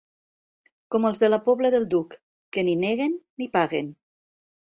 Com els de la Pobla del Duc, que ni neguen ni paguen.